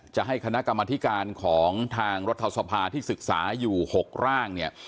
จะให้คณะกรรมธิการของทางรัฐสภาที่ศึกษาอยู่๖ร่างเนี่ย